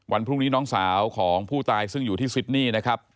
วันพรุ่งนี้น้องสาวของผู้ตายซึ่งอยู่ที่ซิดนี่นะครับ